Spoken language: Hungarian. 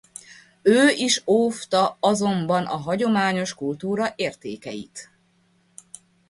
Ő is óvta azonban a hagyományos kultúra értékeit.